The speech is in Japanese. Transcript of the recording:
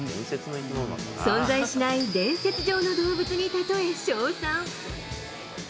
存在しない伝説上の動物に例え称賛。